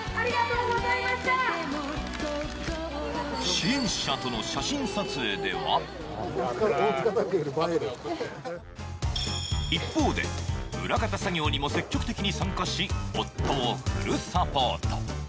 支援者との写真撮影では一方で、裏方作業にも積極的に参加し夫をフルサポート。